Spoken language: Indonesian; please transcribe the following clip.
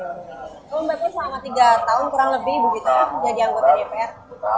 kalau mbak pur selama tiga tahun kurang lebih ibu gita jadi anggota dpr